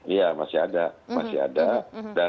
iya masih ada